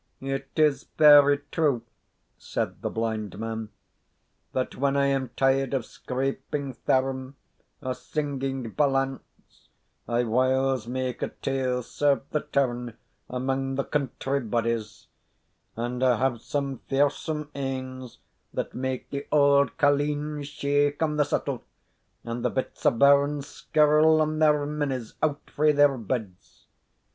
"It is very true," said the blind man, "that when I am tired of scraping thairm or singing ballants I whiles make a tale serve the turn among the country bodies; and I have some fearsome anes, that make the auld carlines shake on the settle, and the bits o' bairns skirl on their minnies out frae their beds.